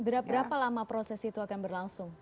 berapa lama proses itu akan berlangsung